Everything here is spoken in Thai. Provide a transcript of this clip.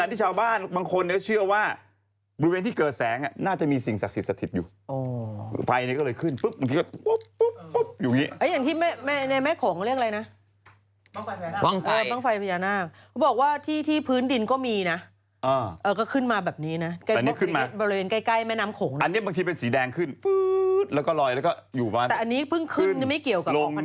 แต่ตัวเนี่ยไม่รู้คนอะไรไปกินต่อหรือเปล่าแต่ไก่ตาย